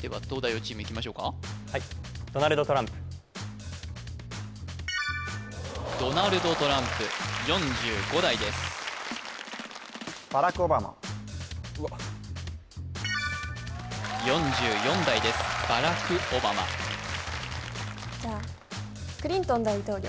では東大王チームいきましょうかはいドナルド・トランプ４５代です４４代ですバラク・オバマじゃあクリントン大統領